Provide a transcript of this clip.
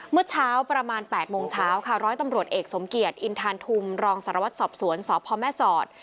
เมื่อเช้าประมาณ๘โมงเช้าค่ะร้อยตำรวจเอกสมเกียจอินทานทุมรองสารวัตรสอบสวนสพแม่สอด